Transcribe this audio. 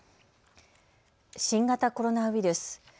新型コロナウイルス。